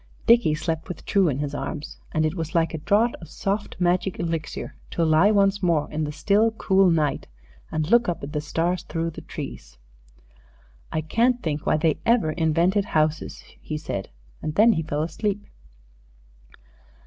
Dickie slept with True in his arms, and it was like a draught of soft magic elixir to lie once more in the still, cool night and look up at the stars through the trees. "Can't think why they ever invented houses," he said, and then he fell asleep.